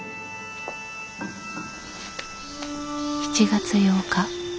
７月８日